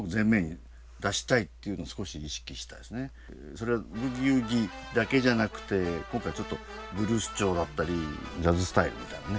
それはブギウギだけじゃなくて今回ちょっとブルース調だったりジャズスタイルみたいなね